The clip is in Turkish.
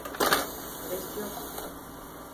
Ses yok.